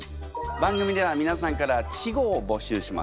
番組ではみなさんから稚語を募集します。